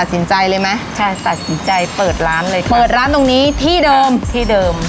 สินใจเลยไหมใช่ตัดสินใจเปิดร้านเลยค่ะเปิดร้านตรงนี้ที่เดิมที่เดิม